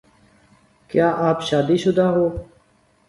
کیا آپ شادی شدہ ہو